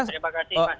terima kasih pak